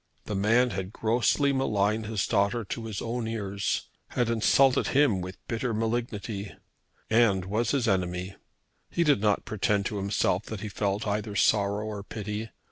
The man had grossly maligned his daughter to his own ears, had insulted him with bitter malignity, and was his enemy. He did not pretend to himself that he felt either sorrow or pity.